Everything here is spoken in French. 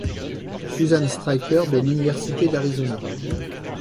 Susan Stryker de l'université d'Arizona.